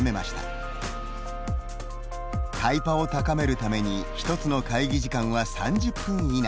タイパを高めるために１つの会議時間は３０分以内。